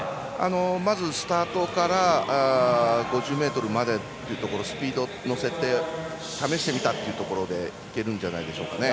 まずスタートから５０ｍまでというところスピード乗せて試してみたってところでいけるんじゃないでしょうか。